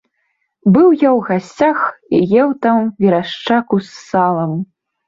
Быў я ў гасцях і еў там верашчаку з салам.